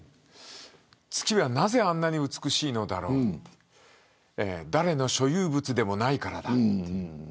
月はなぜあんなに美しいのだろうと誰の所有物でもないからだって。